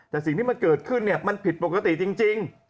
แต่สิ่งที่มันเกิดขึ้นเนี่ยมันผิดปกติจริง